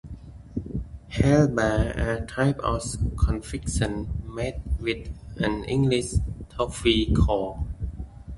Heath bars are a type of confection made with an English toffee core.